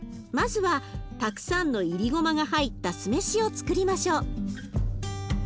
まずはたくさんのいりごまが入った酢飯をつくりましょう。